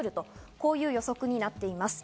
こういう予測になっています。